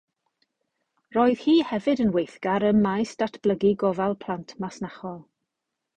Roedd hi hefyd yn weithgar ym maes datblygu gofal plant masnachol.